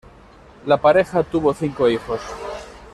La pareja tuvo cinco hijos.